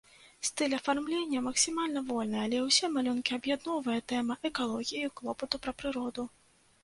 Стыль афармлення максімальна вольны, але ўсе малюнкі аб'ядноўвае тэма экалогіі і клопату пра прыроду.